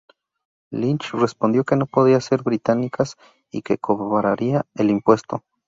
Lynch respondió que no podían ser británicas y que cobraría el impuesto.